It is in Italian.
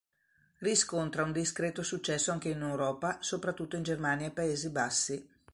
Riscontra un discreto successo anche in Europa, soprattutto in Germania e Paesi Bassi.